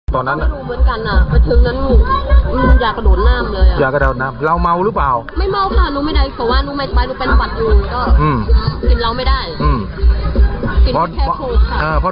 ถ้ารู้ไม่ได้รู้เป็นบัตรรูก็กินเล้าไม่ได้กินก็แค่โฟล์ค่ะ